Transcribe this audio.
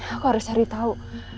aku harus cari tahu